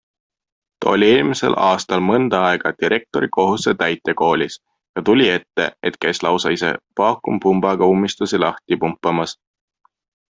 Ta oli eelmisel aastal mõnda aega direktori kohusetäitja koolis ja tuli ette, et käis lausa ise vaakumpumbaga ummistusi lahti pumpamas.